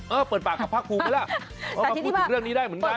เออเปิดปากกับพักผู้ไปแล้วเพราะพักผู้ถึงเรื่องนี้ได้เหมือนกัน